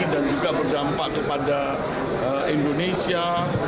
dan juga berdampak kepada indonesia